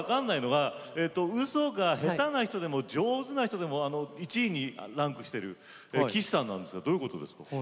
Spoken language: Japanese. うそが下手な人でも上手な人でも１位にランクしている岸さんなんですけどどういうことでしょうか。